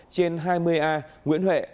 trên hai mươi a nguyễn huệ